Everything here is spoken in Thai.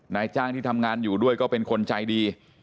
นายจ้างที่ทำงานอยู่ด้วยก็เป็นคนใจดี